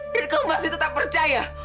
dan kamu masih tetap percaya